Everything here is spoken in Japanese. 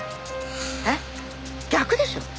えっ逆でしょ！